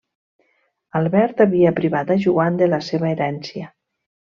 Albert havia privat a Joan de la seva herència.